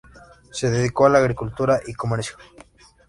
Se dedicó a la agricultura y comercio.